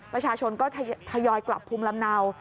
ประชาชนก็ทยอยกลับภูมิลำเนา